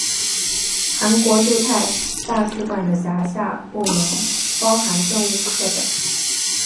韩国驻泰大使馆的辖下部门包含政务课等。